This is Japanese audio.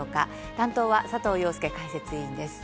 担当は佐藤庸介解説委員です。